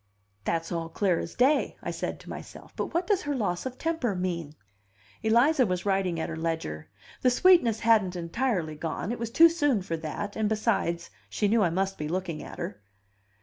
"That's all clear as day," I said to myself. "But what does her loss of temper mean?" Eliza was writing at her ledger. The sweetness hadn't entirely gone; it was too soon for that, and besides, she knew I must be looking at her.